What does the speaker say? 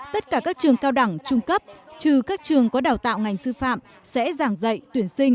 tất cả các trường cao đẳng trung cấp trừ các trường có đào tạo ngành sư phạm sẽ giảng dạy tuyển sinh